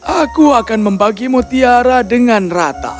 aku akan membagi mutiara dengan rata